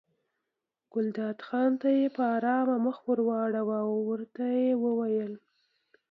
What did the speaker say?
ګلداد خان ته یې په ارامه مخ واړاوه او ورته ویې ویل.